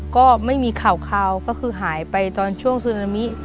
ก็ไม่มีข่าวก็คือหายไปตอนช่วงซึนามิ